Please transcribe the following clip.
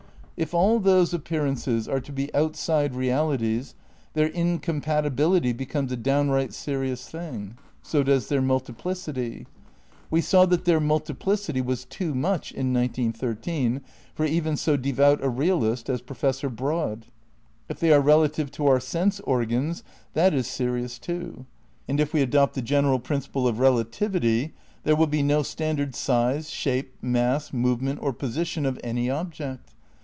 If all those appearances are to be outside realities their incom patibility becomes a downright serious thing. So does their multiplicity. We saw that their multiplicity was too much — in 1913 — for even so devout a realist as Professor Broad. If they are relative to our sense organs that is serious too ; and if we adopt the '' Gen eral Principle of Relativity" there will be no standard size, shape, mass, movement or position of any object.